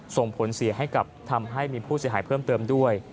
ส่งผลเสียให้กับทำให้มีผู้เสียหายเพิ่มเติมด้วย